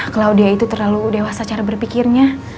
claudia itu terlalu dewasa cara berpikirnya